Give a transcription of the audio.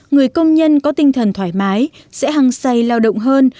người công nhân có tinh thần thoải mái sẽ hăng say lao động hơn